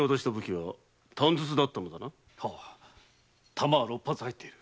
「弾は六発入っている。